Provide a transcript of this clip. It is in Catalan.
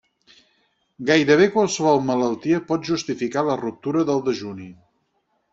Gairebé qualsevol malaltia pot justificar la ruptura del dejuni.